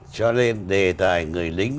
cho nên đề tài người lính